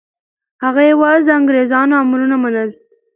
هغه یوازې د انګریزانو امرونه منل.